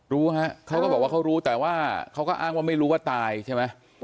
รู้ฮะเขาก็บอกว่าเขารู้แต่ว่าเขาก็อ้างว่าไม่รู้ว่าตายใช่ไหม